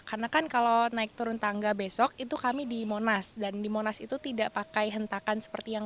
karena kan kalau naik turun tangga besok itu kami di monas dan di monas itu tidak pakai hentakan seperti yang